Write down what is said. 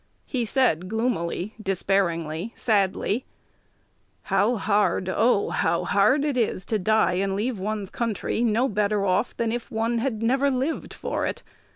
He said gloomily, despairingly, sadly, 'How hard, oh! how hard it is to die and leave one's country no better than if one had never lived for it!